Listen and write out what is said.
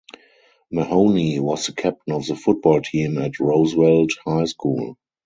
Mahoney was the captain of the football team at Roosevelt High School.